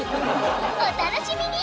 お楽しみに！